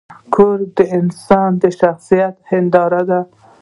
کور د انسان د شخصیت هنداره ده.